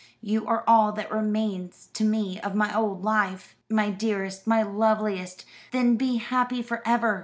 You are all that remains to me of my old life." "My dearest, my loveliest, then be happy for ever!"